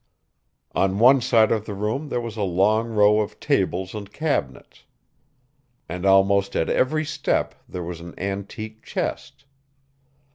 On one side of the room there was a long row of tables and cabinets, and almost at every step there was an antique chest.